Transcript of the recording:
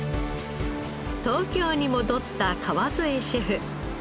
東京に戻った川副シェフ。